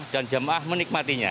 dan jamaah menikmatinya